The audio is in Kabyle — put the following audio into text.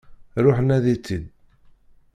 Ruḥ nadi-tt-id!